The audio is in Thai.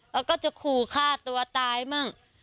แล้วก็จะกลัวฆ่าตัวตายบ้าง